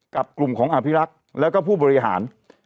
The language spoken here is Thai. กับกลุ่มของอภิรักษ์แล้วก็ผู้บริหาร